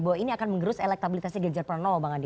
bahwa ini akan mengerus elektabilitasnya gijar pranowo bang adil